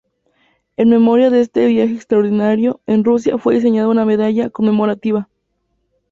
En memoria de este viaje extraordinario en Rusia fue diseñada una medalla conmemorativa.